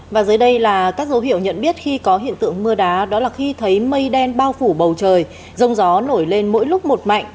và dưới đây là các dấu hiệu nhận biết khi có hiện tượng mưa đá đó là khi thấy mây đen bao phủ bầu trời rông gió nổi lên mỗi lúc một mạnh